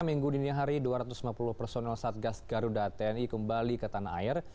minggu dini hari dua ratus lima puluh personel satgas garuda tni kembali ke tanah air